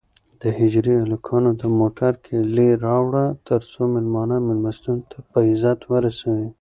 د حجرې هلکانو د موټر کیلي راوړه ترڅو مېلمانه مېلمستون ته په عزت ورسوي.